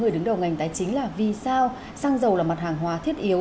đứng đầu ngành tài chính là vì sao xăng dầu là mặt hàng hóa thiết yếu